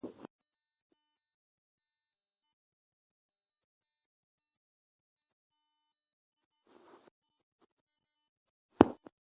Ban bininga bakad kə ai mbonde mininga (nyia) asu na bə yəgə e kan basene afub e kan basen mimboŋ ai e kan babƐ owondo.